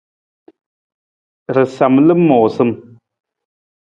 Rasam lamoosam.